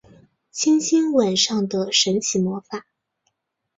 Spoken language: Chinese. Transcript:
轻轻吻上的神奇魔法